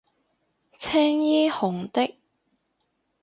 青衣紅的